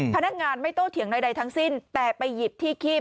พนักงานไม่โตเถียงใดทั้งสิ้นแต่ไปหยิบที่คีบ